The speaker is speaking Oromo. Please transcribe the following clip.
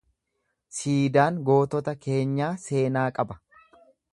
Siidaan gootota keenyaa seenaa qaba.